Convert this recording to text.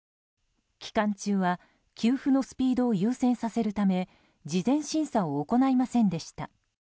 期間中は給付のスピードを優先させるため事前審査を行いませんでした。